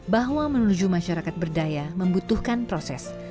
bahwa menuju masyarakat berdaya membutuhkan proses